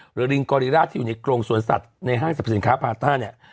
ลิงกอริราชที่อยู่ในกรงสวนสัตว์ในห้างสรรพสินค้าพาต้าเนี่ย